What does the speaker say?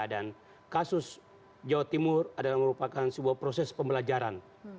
dan kasus jawa timur adalah merupakan sebuah proses pembelajaran